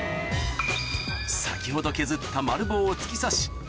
先ほど削った丸棒を突き刺し